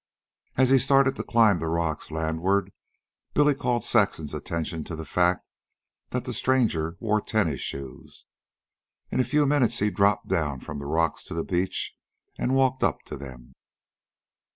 As he started to climb the rocks landward Billy called Saxon's attention to the fact that the stranger wore tennis shoes. In a few minutes he dropped down from the rock to the beach and walked up to them.